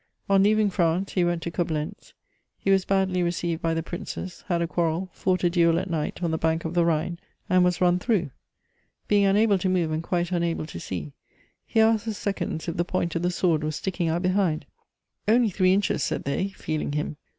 On leaving France he went to Coblentz: he was badly received by the Princes, had a quarrel, fought a duel at night on the bank of the Rhine, and was run through. Being unable to move and quite unable to see, he asked the seconds if the point of the sword was sticking out behind: "Only three inches," said they, feeling him.